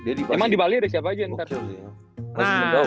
emang di bali ada siapa aja ntar